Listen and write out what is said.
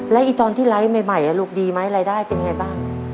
แล้วตอนที่ไลฟ์ใหม่ลูกดีไหมรายได้เป็นไงบ้าง